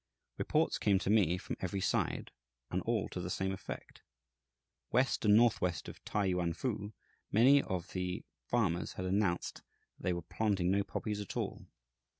Reports came to me from every side, and all to the same effect. West and northwest of T'ai Yuan fu many of the farmers had announced that they were planting no poppies at all.